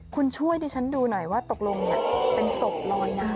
คุณช่วยดิฉันดูหน่อยว่าตกลงเป็นศพลอยน้ำ